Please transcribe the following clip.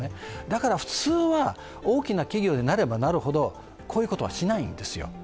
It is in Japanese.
だから普通は大きな企業になればなるほどこういうことはしないんですよ。